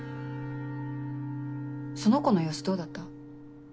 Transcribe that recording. その子の様子どうだった？